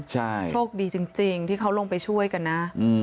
ใช่โชคดีจริงที่เขาลงไปช่วยกันนะ